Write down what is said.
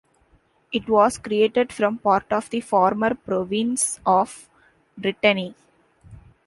It was created from part of the former province of Brittany.